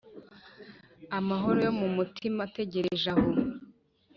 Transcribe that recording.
amahoro yo mumutima ategereje aho.